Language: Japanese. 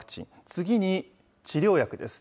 次に治療薬です。